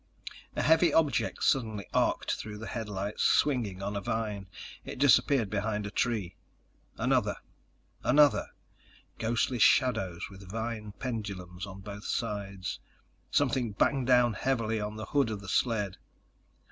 A heavy object suddenly arced through the headlights, swinging on a vine. It disappeared behind a tree. Another. Another. Ghostly shadows with vine pendulums on both sides. Something banged down heavily onto the hood of the sled.